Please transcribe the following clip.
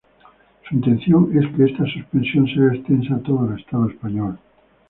Su intención es que esta suspensión se haga extensa a todo el estado español.